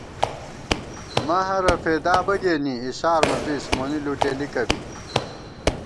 مَہَرہ فېدا بہ گېنی اِسار مہ بِس مونی لُٹېلِکہ بی